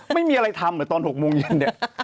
ไม่มีอะไรทำเหรอตอน๖โมงเย็นเนี่ย